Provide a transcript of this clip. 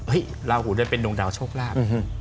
เห้ยลาหูด้วยเป็นดวงดาวโชคลาบ